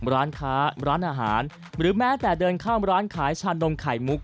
ร้านค้าร้านอาหารหรือแม้แต่เดินข้ามร้านขายชานมไข่มุก